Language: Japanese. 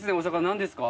何ですか？